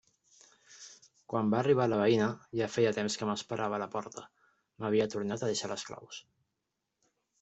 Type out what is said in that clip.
Quan va arribar la veïna, ja feia temps que m'esperava a la porta: m'havia tornat a deixar les claus.